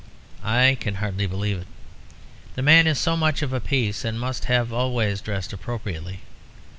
I can hardly believe it; the man is so much of a piece, and must always have dressed appropriately.